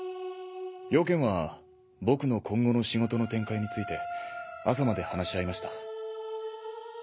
用件は僕の今後の仕事の展開について朝まで話し合いました。